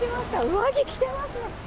上着、着てますね。